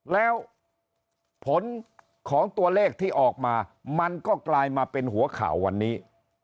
แล้วผลของตัวเลขที่ออกมามันก็กลายมาเป็นหัวข่าววันนี้